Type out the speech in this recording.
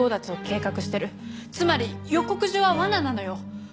つまり予告状は罠なのよ。